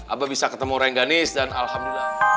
abah bisa ketemu rengganis dan alhamdulillah